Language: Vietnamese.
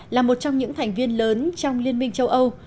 là một trong những thành viên lớn trong liên minh châu âu